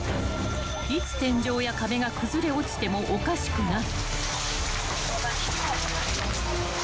［いつ天井や壁が崩れ落ちてもおかしくない］